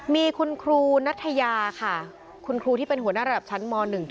มีคุณครูนัทยาค่ะคุณครูที่เป็นหัวหน้าระดับชั้นม๑